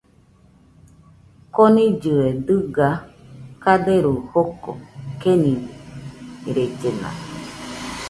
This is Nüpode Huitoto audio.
Konillɨe dɨga kaderu joko, kenirellena.